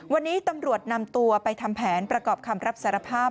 วันนี้ตำรวจนำตัวไปทำแผนประกอบคำรับสารภาพ